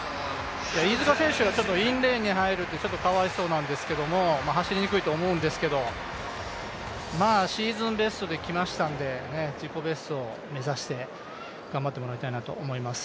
飯塚選手、インレーンに入るってちょっとかわいそうなんですけど走りにくいと思うんですけど、まあシーズンベストできましたので、自己ベストを目指して頑張ってもらいたいなと思います。